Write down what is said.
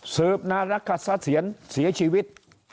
สืบนารกษียรเสียชีวิต